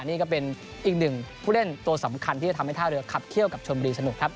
นี่ก็เป็นอีกหนึ่งผู้เล่นตัวสำคัญที่จะทำให้ท่าเรือขับเคี่ยวกับชนบุรีสนุกครับ